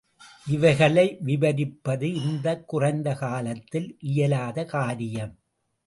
இவைகளை விவரிப்பது இந்தக் குறைந்த காலத்தில் இயலாத காரியம்.